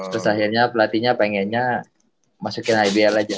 terus akhirnya pelatihnya pengennya masukin ibl aja